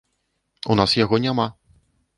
У нас яго няма.